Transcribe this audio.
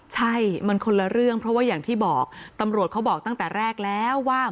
ใช่มันคนละเรื่องเพราะว่าอย่างที่บอกตำรวจเขาบอกตั้งแต่แรกแล้วว่า